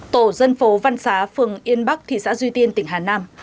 tổ dân phố văn xá phường yên bắc thị xã duy tiên tỉnh hà nam